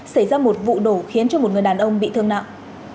xảy ra một vụ nổ khiến cho một người đàn ông bị thương nặng